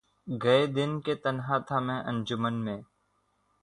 گئے دن کہ تنہا تھا میں انجمن میں